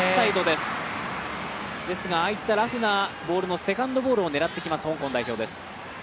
ですがああいったラフなボールのセカンドボールを狙ってくる香港代表です。